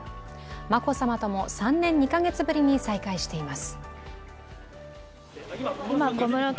眞子さまとも３年２カ月ぶりに再会しています。